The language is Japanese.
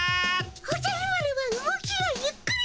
おじゃる丸は動きがゆっくりだっピ。